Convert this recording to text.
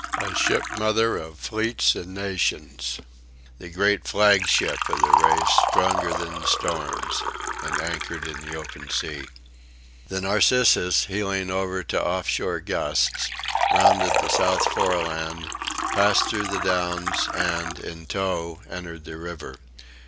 A ship mother of fleets and nations! The great flagship of the race; stronger than the storms! and anchored in the open sea. The Narcissus, heeling over to off shore gusts, rounded the South Foreland, passed through the Downs, and, in tow, entered the river.